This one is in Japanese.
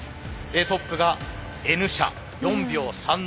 トップがＮ社４秒３７。